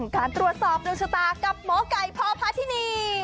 การตรวจสอบดวงชะตากับหมอไก่พ่อพาทินี